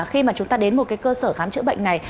khi mà chúng ta đến một cơ sở khám trữa bệnh này